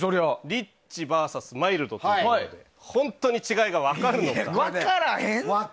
リッチＶＳマイルドで本当に違いが分かるのか。